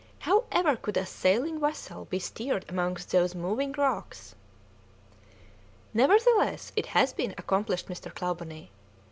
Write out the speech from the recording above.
How ever could a sailing vessel be steered amongst these moving rocks?" "Nevertheless, it has been accomplished, Mr. Clawbonny.